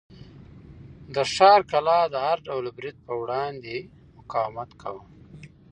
د ښار کلا د هر ډول برید په وړاندې مقاومت کاوه.